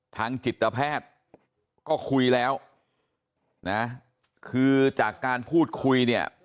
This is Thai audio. ทางจิตแพทย์ก็คุยแล้วนะคือจากการพูดคุยเนี่ย